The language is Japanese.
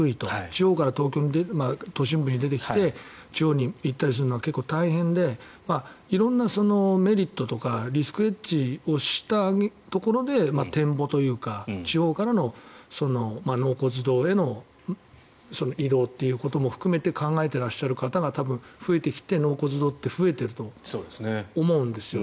地方から都心部に出てきて地方に行ったりするのは結構大変で色んなメリットとかリスクヘッジをしたところで転墓というか地方からの納骨堂への移動ということも含めて考えていらっしゃる方が増えてきて納骨堂って増えていると思うんですよ。